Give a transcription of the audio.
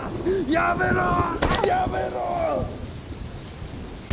やめろー！